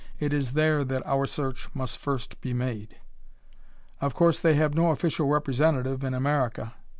It is there that our search must first be made." "Of course, they have no official representative in America."